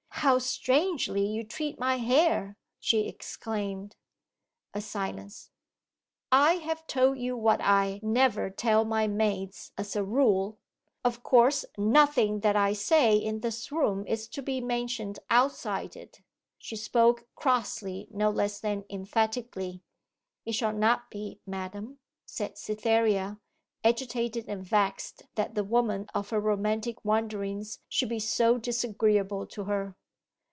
'How strangely you treat my hair!' she exclaimed. A silence. 'I have told you what I never tell my maids as a rule; of course nothing that I say in this room is to be mentioned outside it.' She spoke crossly no less than emphatically. 'It shall not be, madam,' said Cytherea, agitated and vexed that the woman of her romantic wonderings should be so disagreeable to her.